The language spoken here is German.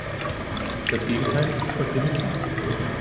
Das Gegenteil ist Euphemismus.